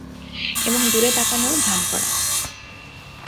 এবং দূরে তাকানোর ভাণ করা।